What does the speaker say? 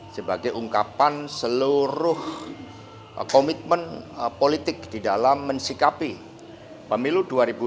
sebagai ungkapan seluruh komitmen politik di dalam mensikapi pemilu dua ribu dua puluh